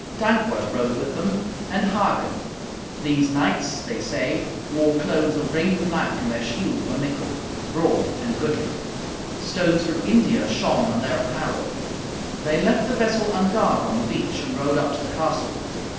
Dankwart rode with them, and Hagen. These knights, they say, wore clothes of raven black, and their shields were mickle, broad and goodly. Stones from India shone on their apparel. They left the vessel unguarded on the beach, and rode up to the castle.